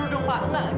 tepat dulu dong pak